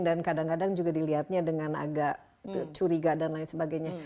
dan kadang kadang juga dilihatnya dengan agak curiga dan lain sebagainya